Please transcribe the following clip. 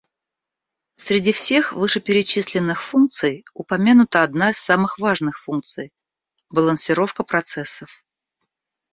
Среди всех вышеперечисленных функций упомянута одна из самых важных функций – балансировка процессов